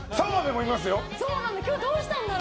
今日どうしたんだろう。